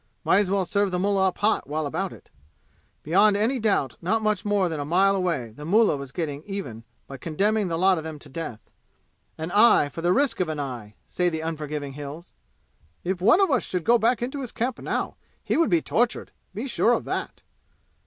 Might as well serve the mullah up hot while about it! Beyond any doubt not much more than a mile away the mullah was getting even by condemning the lot of them to death. "An eye for the risk of an eye!" say the unforgiving Hills. "If one of us should go back into his camp now he would be tortured. Be sure of that."